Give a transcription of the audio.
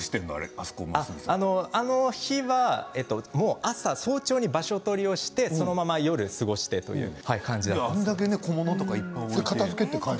あの日は早朝に場所取りをして、そのまま夜を過ごしてという感じでした。